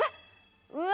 うわ！